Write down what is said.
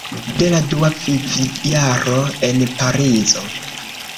De la dua vivjaro en Parizo.